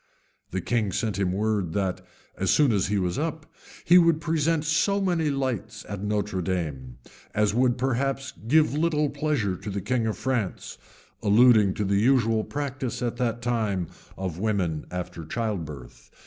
The king sent him word, that, as soon as he was up, he would present so many lights at Notre dame, as would perhaps give little pleasure to the king of France; alluding to the usual practice at that time of women after childbirth.